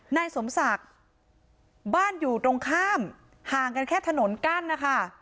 นายสมศักดิ์บ้านอยู่ตรงข้ามห่างกันแค่ถนนกั้นนะคะ